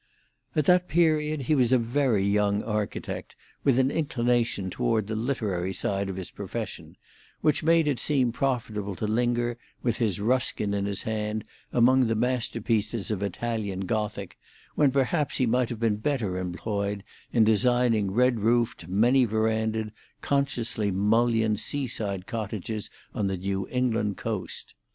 At that period he was a very young architect, with an inclination toward the literary side of his profession, which made it seem profitable to linger, with his Ruskin in his hand, among the masterpieces of Italian Gothic, when perhaps he might have been better employed in designing red roofed many verandaed, consciously mullioned seaside cottages on the New England coast.